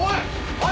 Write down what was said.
おい！